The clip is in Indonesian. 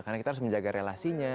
karena kita harus menjaga relasinya